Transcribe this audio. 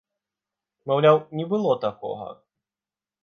Маўляў, не было такога!